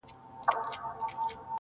o حال پوه سه، انگار پوه سه!